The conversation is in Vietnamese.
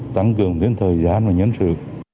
tăng cường đến thời gian và nhân sự